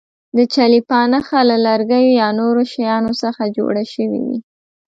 د چلیپا نښه له لرګیو یا نورو شیانو څخه جوړه شوې وي.